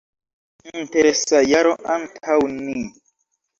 Interesa jaro antaŭ ni.